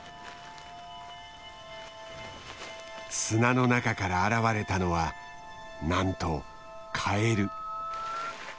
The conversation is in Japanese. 砂の中から現れたのはなんとカエル。